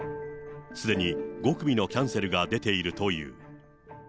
すでに５組のキャンセルが出ているという。